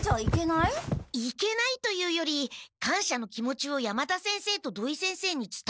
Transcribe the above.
いけないというより感しゃの気持ちを山田先生と土井先生につたえた方が。